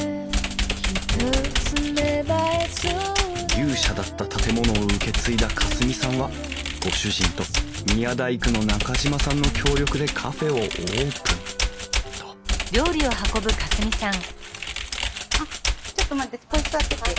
「牛舎だった建物を受け継いだ夏澄さんはご主人と宮大工の中島さんの協力でカフェをオープン」とここに座ってて。